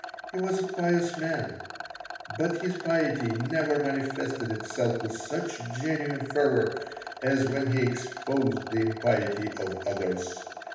He was a pious man, but his piety never manifested itself with such genuine fervor as when he exposed the impiety of others.